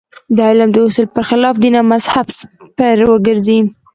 د علم د حصول پر خلاف دین او مذهب سپر وګرځي.